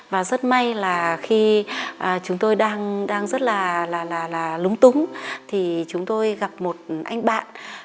và rất may là khi chúng tôi đang rất là lúng túng thì chúng tôi gặp một anh bạn